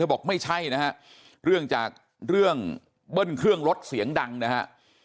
บอกไม่ใช่นะฮะเรื่องจากเรื่องเบิ้ลเครื่องรถเสียงดังนะฮะ